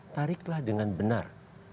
tariklah dengan benar